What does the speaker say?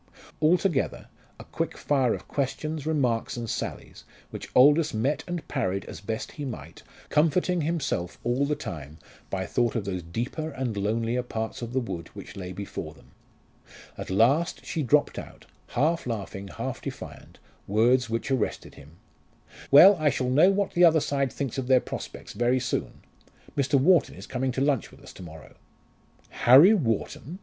Altogether, a quick fire of questions, remarks, and sallies, which Aldous met and parried as best he might, comforting himself all the time by thought of those deeper and lonelier parts of the wood which lay before them. At last she dropped out, half laughing, half defiant, words which arrested him, "Well, I shall know what the other side think of their prospects very soon. Mr. Wharton is coming to lunch with us to morrow." "Harry Wharton!"